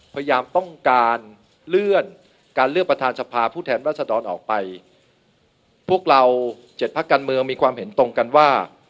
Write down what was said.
พยายามต้องการเลื่อนการเลือกประธานสภาผู้แทนรัศดรออกไปพวกเราเจ็ดพักการเมืองมีความเห็นตรงกันว่า